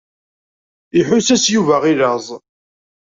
Iḥuss-as Yuba i laẓ.